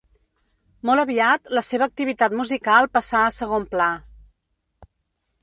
Molt aviat la seva activitat musical passà a segon pla.